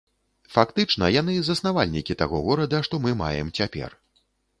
Фактычна, яны заснавальнікі таго горада, што мы маем цяпер.